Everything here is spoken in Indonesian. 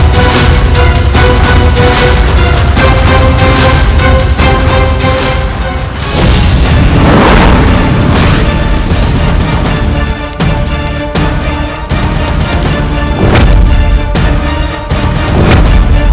tidak tidak tidak tidak